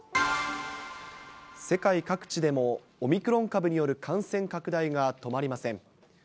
世界各地でも、オミクロン株による感染拡大が止まりません。